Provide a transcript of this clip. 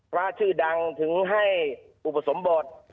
พระชื่อดังถึงให้อุปสมบท